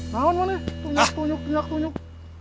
tuh nyak tunjuk nyak tunjuk